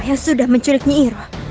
yang sudah menculiknya iroh